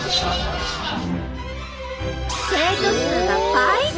生徒数が倍増！